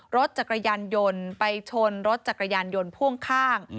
รถจักรยานยนต์ไปชนรถจักรยานยนต์พ่วงข้าง